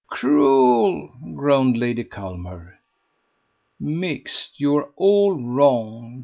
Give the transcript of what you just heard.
"Cruel!" groaned Lady Culmer. "Mixed, you are all wrong.